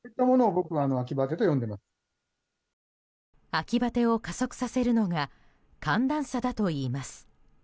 秋バテを加速させるのが寒暖差だといいます。